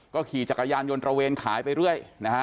ขี่จักรยานยนต์ตระเวนขายไปเรื่อยนะฮะ